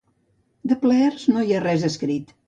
De plaers no hi ha res escrit.